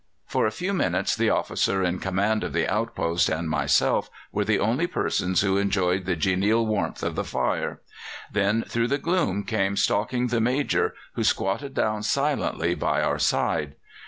For a few minutes the officer in command of the outpost and myself were the only persons who enjoyed the genial warmth of the fire; then through the gloom came stalking the Major, who squatted down silently by our side.